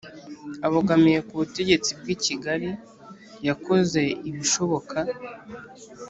abogamiye ku butegetsi bw'i kigali yakoze ibishoboka